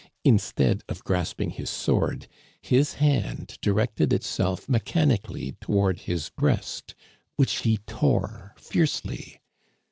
Instead of grasp ing his sword, his hand directed itself mechanically toward his breast, which he tore fiercely.